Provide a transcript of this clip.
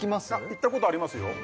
行ったことありますよ